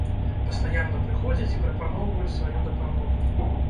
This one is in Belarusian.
Пастаянна прыходзяць і прапаноўваюць сваю дапамогу.